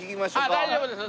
あっ大丈夫です。